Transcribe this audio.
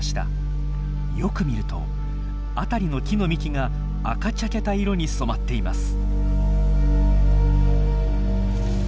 よく見ると辺りの木の幹が赤茶けた色に染まっています。